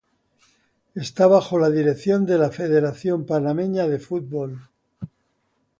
Está bajo la dirección de la Federación Panameña de Fútbol.